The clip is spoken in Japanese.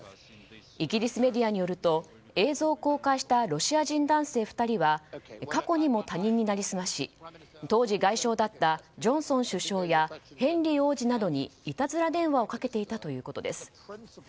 イギリスメディアによると映像を公開したロシア人男性２人は過去にも他人に成り済まし当時外相だったジョンソン首相やヘンリー王子などにいたずら電話をかけていたということです。